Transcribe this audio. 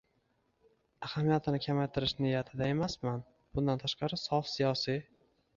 ahamiyatini kamaytirish niyatida emasman. Bundan tashqari, sof siyosiy